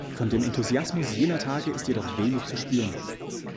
Von dem Enthusiasmus jener Tage ist jedoch wenig zu spüren.